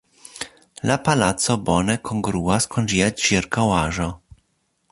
La palaco bone kongruas kun ĝia ĉirkaŭaĵo.